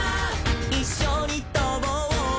「いっしょにとぼう」